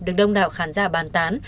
được đông đạo khán giả bàn tán